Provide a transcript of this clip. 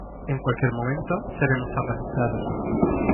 en cualquier momento seremos arrastrados.